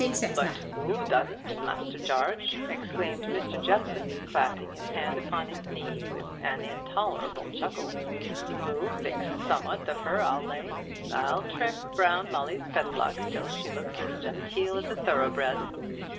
"But thoo doesn't, Master Jarge!" exclaimed Mr. Jeffson, clapping his hand upon his knee with an intolerable chuckle; "thoo thinkst summoat of her. I'll lay; and I'll trim Brown Molly's fetlocks till she looks as genteel as a thoroughbred."